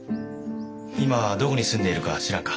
今どこに住んでいるか知らんか？